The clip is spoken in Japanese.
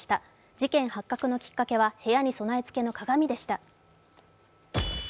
事件発覚のきっかけは部屋に備え付けの鏡でした。